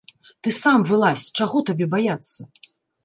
Ты сам вылазь, чаго табе баяцца?